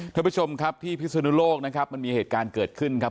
ท่านผู้ชมครับที่พิศนุโลกนะครับมันมีเหตุการณ์เกิดขึ้นครับ